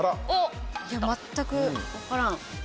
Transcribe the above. いや、全く分からん。